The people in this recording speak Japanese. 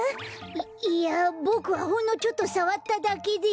いいやボクはほんのちょっとさわっただけで。